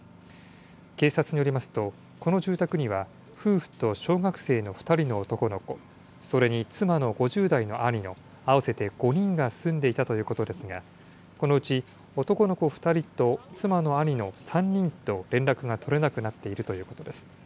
警察によりますと、この住宅には、夫婦と小学生の２人の男の子、それに妻の５０代の兄の、合わせて５人が住んでいたということですが、このうち男の子２人と妻の兄の３人と連絡が取れなくなっているということです。